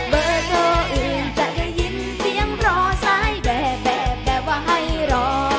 เบอร์โทรอื่นจะได้ยินเสียงรอซ้ายแบบแบบว่าให้รอ